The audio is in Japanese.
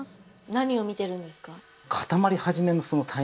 何を見てるんですか？